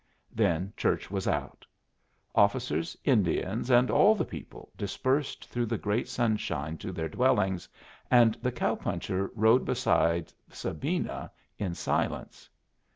Then church was out. Officers, Indians, and all the people dispersed through the great sunshine to their dwellings, and the cow puncher rode beside Sabina in silence.